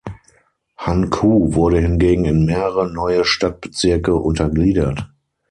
Hankou wurde hingegen in mehrere neue Stadtbezirke untergliedert.